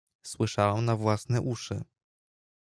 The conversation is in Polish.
"Słyszałem na własne uszy."